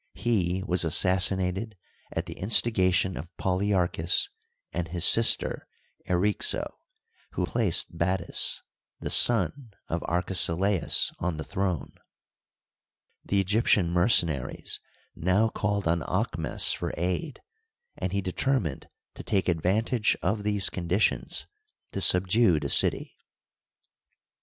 He was assassinated at the instigation of Polyarchus and his sister Eryxo, who placed Battus, the son of Arkesilaus, on the throne. The Egyptian mercenaries now called on Aahmes for aid, and he determined to take advantage of these conditions to subdue the city.